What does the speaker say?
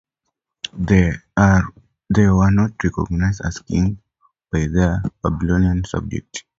They were not recognized as kings by their Babylonian subjects.